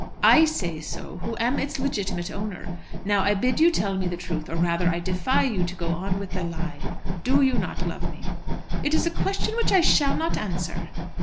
"I say so, who am its legitimate owner. Now I bid you tell me the truth, or rather I defy you to go on with the lie. Do you not love me?" "It is a question which I shall not answer."